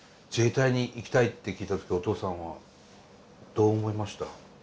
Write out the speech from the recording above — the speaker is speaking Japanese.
自衛隊に行きたいって聞いた時お父さんはどう思いました？